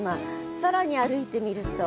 さらに歩いてみると。